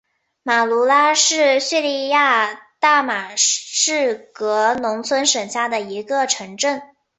马卢拉是叙利亚大马士革农村省下的一个城镇。